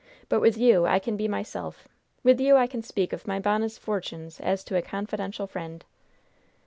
But with you I can be myself. With you I can speak of my bonnes fortunes as to a confidential friend."